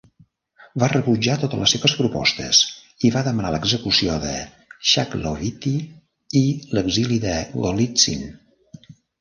Va rebutjar totes les seves propostes i va demanar l"execució de Shaklovityi i l"exili de Golitsyn.